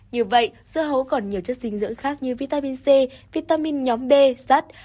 như vậy dơ hấu còn nhiều chất dinh dưỡng khác như vitamin c vitamin nhóm b sát